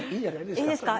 いいですか？